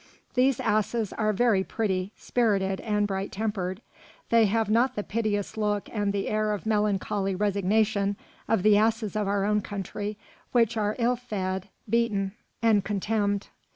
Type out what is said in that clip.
These asses are very pretty, spirited, and bright tempered; they have not the piteous look and the air of melancholy resignation of the asses of our own country, which are ill fed, beaten, and contemned.